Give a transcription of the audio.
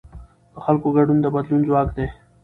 د خلکو ګډون د بدلون ځواک دی